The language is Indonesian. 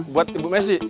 lima buat bu messi